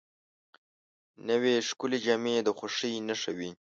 نوې ښکلې جامې د خوښۍ نښه وي